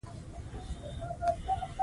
کابل پرمختګ ویني.